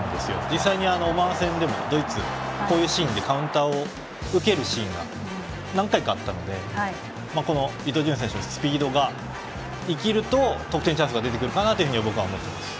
実際、オマーン戦でドイツはこういうシーンでカウンターを受けるシーンが何回かあったので伊東純也選手のスピードが生きると得点チャンスが出てくるかなと思います。